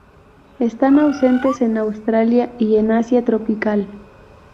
Están ausentes en Australia y en Asia tropical.